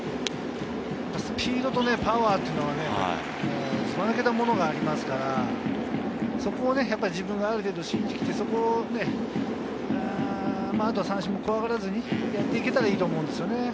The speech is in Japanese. スピードとパワーというのはずば抜けたものがありますから、そこを自分がある程度信じて三振も怖がらずにやっていけたらいいと思うんですよね。